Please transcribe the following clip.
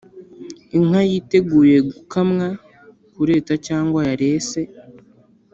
Inka yiteguye gukamwa, Kureta cyangwa yarese